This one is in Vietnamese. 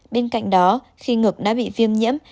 bên cạnh đó khi ngực đã bị viêm nhiễm